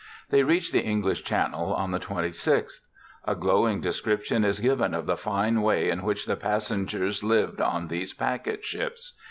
They reached the English Channel on the 26th. A glowing description is given of the fine way in which the passengers lived on these packet ships.